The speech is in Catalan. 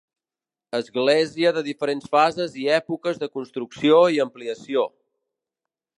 Església de diferents fases i èpoques de construcció i ampliació.